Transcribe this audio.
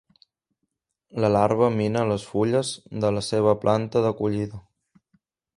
La larva mina les fulles de la seva planta d'acollida.